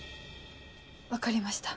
分かりました。